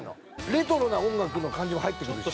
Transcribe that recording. レトロな音楽の感じも入ってくるし。